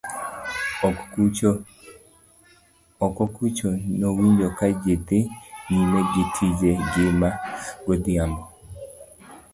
oko kucho nowinjo ka ji dhi nyime gi tije gi ma godhiambo